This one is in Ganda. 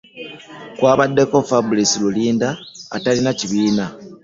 Kwabaddeko Fabrice Rulinda atalina kibiina